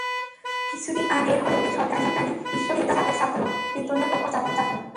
কিছুদিন আগে হঠাৎ করে বেসরকারি বিশ্ববিদ্যালয়ের ছাত্র বেতনের ওপর ভ্যাট চাপল।